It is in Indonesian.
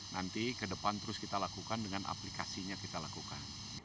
nanti ke depan terus kita lakukan dengan aplikasinya kita lakukan